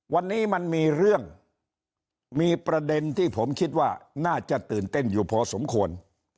วันนี้มันมีเรื่องมีประเด็นที่ผมคิดว่าน่าจะตื่นเต้นอยู่พอสมควร